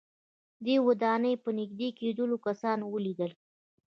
دې ودانۍ ته په نږدې کېدلو کسان وليدل.